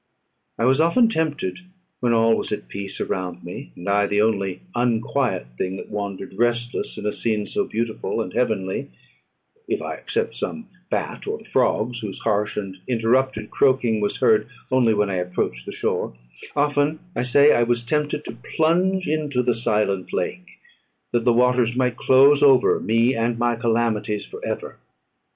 I was often tempted, when all was at peace around me, and I the only unquiet thing that wandered restless in a scene so beautiful and heavenly if I except some bat, or the frogs, whose harsh and interrupted croaking was heard only when I approached the shore often, I say, I was tempted to plunge into the silent lake, that the waters might close over me and my calamities for ever.